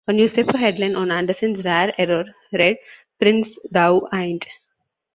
A newspaper headline on Anderson's rare error read "Prince Thou Ain't".